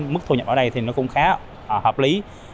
mức thu nhập ở đây thì nó cũng khá hợp lý